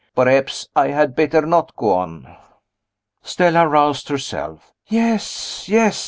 Perhaps I had better not go on?" Stella roused herself. "Yes! yes!"